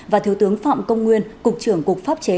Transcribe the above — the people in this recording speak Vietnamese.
và thiếu tướng phạm công nguyên cục trưởng cục pháp chế